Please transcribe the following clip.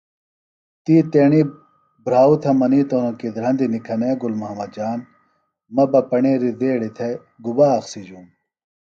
تی تیݨی بھراؤ تھےۡ منِیتوۡ کیۡ دھرندیۡ نِکھَنے گُل محمد جان، مہ بہ پݨیریۡ دیڑیۡ تھےۡ گُبا اخسیۡ جُوم